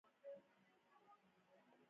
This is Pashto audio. تاریخ د عدالت غوښتنه کوي.